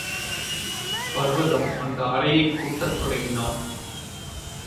பர்வதம் அந்த அறையைக் கூட்டத் தொடங்கினாள்.